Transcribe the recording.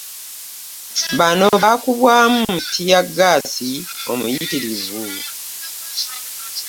Bano baakubwamu ttiyaggaasi omuyitirivu